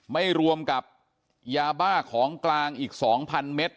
ไม่รวมกับยาบ้าของกลางอีก๒๐๐เมตร